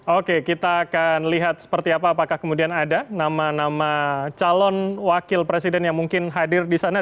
oke kita akan lihat seperti apa apakah kemudian ada nama nama calon wakil presiden yang mungkin hadir di sana